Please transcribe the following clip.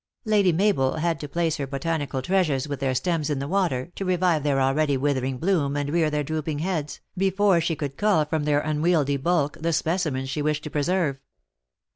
Lady Mabel had to place her botanical treasures with their stems in the water, to revive their already withering bloom and rear their drooping heads, before she could cull from their unwieldy bulk the specimens she wished to preserve.